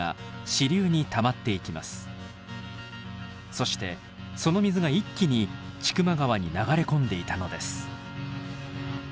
そしてその水が一気に千曲川に流れ込んでいたのです。